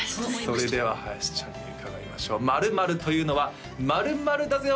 それでは林ちゃんに伺いましょう「○○というのは○○だぜ！」